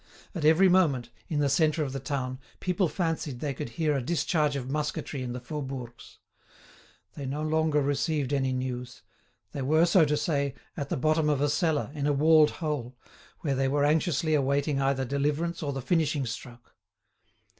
At every moment, in the centre of the town, people fancied they could hear a discharge of musketry in the Faubourgs. They no longer received any news; they were, so to say, at the bottom of a cellar, in a walled hole, where they were anxiously awaiting either deliverance or the finishing stroke.